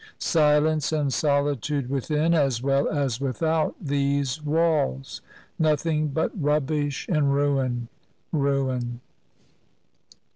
Silence and solitude within as well as without these walls. Nothing but rubbish and ruin, ruin.